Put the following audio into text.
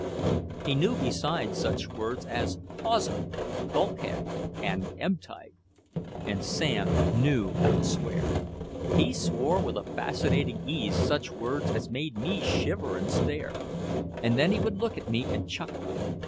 He knew besides such words as "hawser," "bulkhead" and "ebb tide." And Sam knew how to swear. He swore with a fascinating ease such words as made me shiver and stare. And then he would look at me and chuckle.